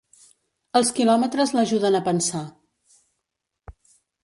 Els quilòmetres l'ajuden a pensar.